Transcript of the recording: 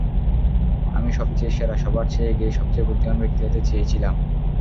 আমি সবচেয়ে সেরা, সবার চেয়ে এগিয়ে, সবচেয়ে বুদ্ধিমান ব্যক্তি হতে চেয়েছিলাম।